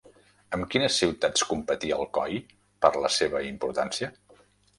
Amb quines ciutats competia Alcoi per la seva importància?